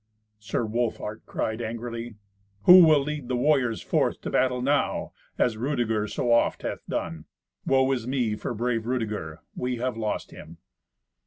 Sir Wolfhart cried angrily, "Who will lead the warriors forth to battle now, as Rudeger so oft hath done. Woe is me for brave Rudeger! We have lost him!"